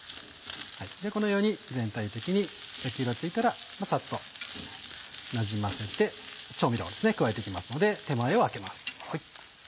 このように全体的に焼き色がついたらサッとなじませて調味料を加えて行きますので手前を空けます。